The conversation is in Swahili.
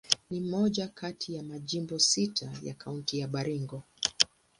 Ni moja kati ya majimbo sita ya Kaunti ya Baringo.